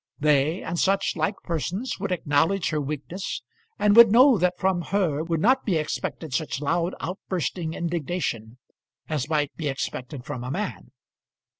They and such like persons would acknowledge her weakness, and would know that from her would not be expected such loud outbursting indignation as might be expected from a man.